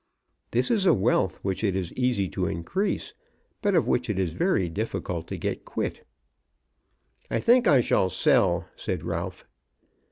This is a wealth which it is easy to increase, but of which it is very difficult to get quit. "I think I shall sell," said Ralph.